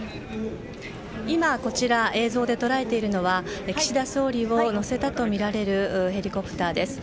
今、こちら映像で捉えているのは岸田総理を乗せたとみられるヘリコプターです。